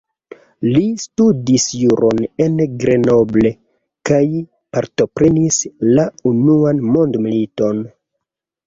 Li studis juron en Grenoble kaj partoprenis la Unuan Mondmiliton.